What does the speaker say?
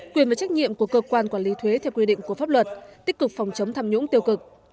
quyền và trách nhiệm của cơ quan quản lý thuế theo quy định của pháp luật tích cực phòng chống tham nhũng tiêu cực